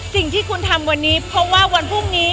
สิ่งที่คุณทำวันนี้เพราะว่าวันพรุ่งนี้